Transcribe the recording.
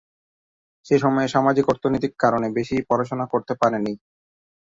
সেই সময়ে সামাজিক অর্থনৈতিক কারণে বেশি পড়াশোনা করতে পারে নি।